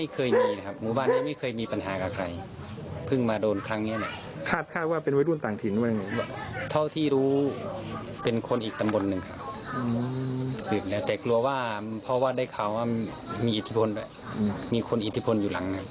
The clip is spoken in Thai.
คืออยากจะฝากด้วย